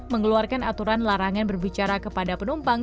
mengeluarkan aturan larangan berbicara kepada penumpang